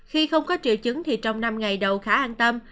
khi không có triệu chứng thì trong năm ngày đầu khá an tâm